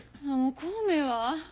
孔明は？